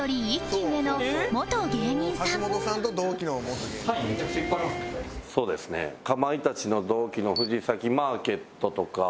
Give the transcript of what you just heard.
実はそうですね。かまいたちの同期の藤崎マーケットとか。